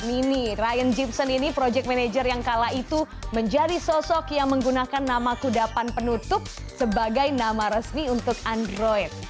ini ryan gibson ini project manager yang kala itu menjadi sosok yang menggunakan nama kudapan penutup sebagai nama resmi untuk android